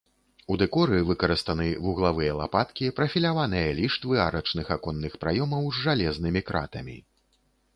У дэкоры выкарыстаны вуглавыя лапаткі, прафіляваныя ліштвы арачных аконных праёмаў з жалезнымі кратамі.